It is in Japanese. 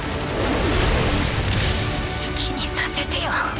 好きにさせてよ。